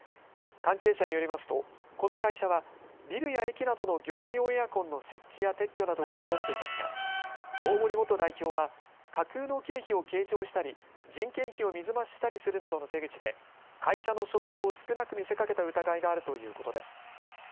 関係者によりますと、この会社はビルや駅などの業務用エアコンの設置や撤去などを請け負っていますが大森元代表は架空の経費を計上したり人件費を水増したりするなどの手口で会社の所得を少なく見せかけた疑いがあるということです。